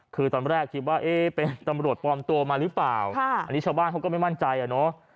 คือตอนแรกคิดว่าเอ๊ะเป็นตำรวจปลอมตัวมาหรือเปล่าอันนี้ชาวบ้านเขาก็ไม่มั่นใจอ่ะเนอะ